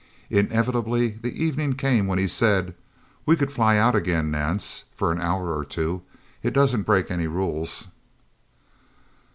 Inevitably the evening came when he said, "We could fly out again, Nance. For an hour or two. It doesn't break any rules."